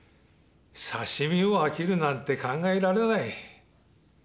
刺身を飽きるなんて考えられない。